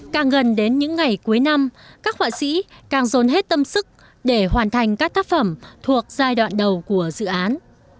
càng gần đến những ngày cuối năm các họa sĩ càng dồn hết tâm sức để hoàn thành các tác phẩm thuộc giai đoạn đầu của dự án